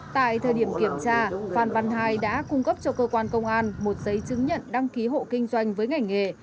tại thời điểm kiểm tra phan văn hai đã cung cấp cho cơ quan công an một giấy chứng nhận đăng ký hộ kinh doanh với ngành nghề